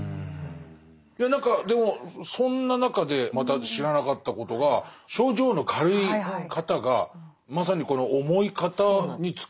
いや何かでもそんな中でまた知らなかったことが症状の軽い方がまさにこの重い方に付き添うっていうやり方なんですね。